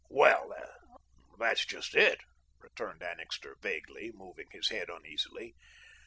"Well, that's just it," returned Annixter vaguely, moving his head uneasily.